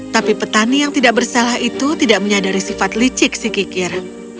tapi petani yang tidak bersalah itu tidak menyadari sifat licik si kikir